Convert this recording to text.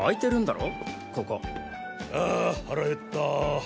あ腹減ったぁ。